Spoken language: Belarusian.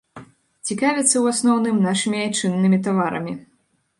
Цікавяцца ў асноўным нашымі айчыннымі таварамі.